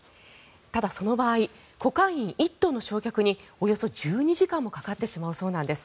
ただ、その場合コカイン１トンの焼却におよそ１２時間もかかってしまうそうなんです。